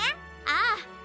ああ。